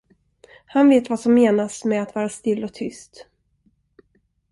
Han vet vad som menas med att vara still och tyst.